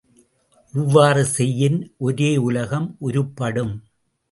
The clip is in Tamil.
இவ்வாறு செய்யின் ஒரேயுலகம் உருப்படும்.